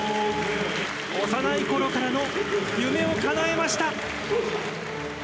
幼いころからの夢をかなえました。